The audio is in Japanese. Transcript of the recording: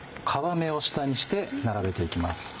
皮目を下にして並べて行きます。